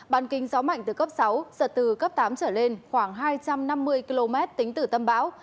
bàn kinh gió mạnh từ cấp sáu giật từ cấp tám trở lên khoảng hai trăm năm mươi km tính từ tâm bão